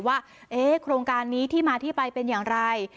ว่าโครงการนี้ที่มาที่ไปเป็นอย่างไร